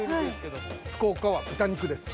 福岡は豚肉です。